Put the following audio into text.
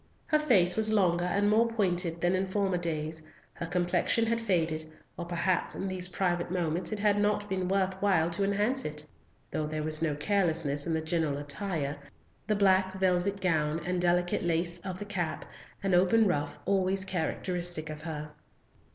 Her face was longer and more pointed than in former days, her complexion had faded, or perhaps in these private moments it had not been worth while to enhance it; though there was no carelessness in the general attire, the black velvet gown, and delicate lace of the cap, and open ruff always characteristic of her.